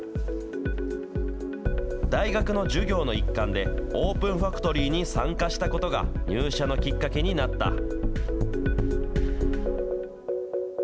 大学の授業の一環で、オープンファクトリーに参加したことが、入社のきっかけになった。